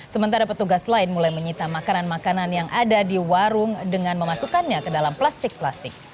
sementara petugas lain mulai menyita makanan makanan yang ada di warung dengan memasukkannya ke dalam plastik plastik